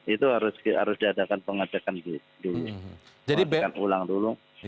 itu harus diadakan pengecekan dulu